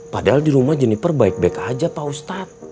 padahal di rumah juniper baik baik aja pak ustadz